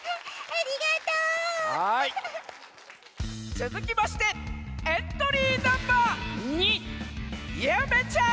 つづきましてエントリーナンバー２ゆめちゃん！